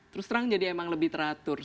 terus terang jadi emang lebih teratur